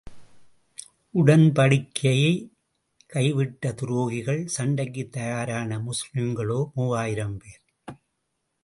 உடன்படிக்கையைக் கைவிட்ட துரோகிகள் சண்டைக்குத் தயாரான முஸ்லிம்களோ மூவாயிரம் பேர்.